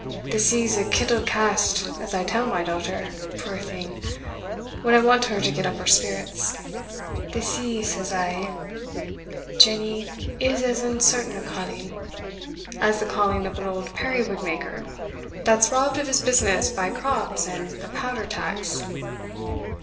The sea's a kittle cast, as I tell my daughter, puir thing, when I want her to get up her spirits; the sea, says I, Jenny, is as uncertain a calling" "As the calling of an old periwig maker, that's robbed of his business by crops and the powder tax.